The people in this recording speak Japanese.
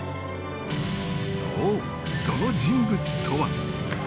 そうその人物とは